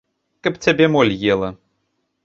Каб цябе моль ела.